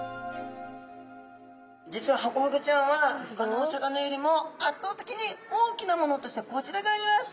実はハコフグちゃんはほかのお魚よりも圧倒的に大きなものとしてこちらがあります。